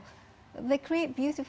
kota yang indah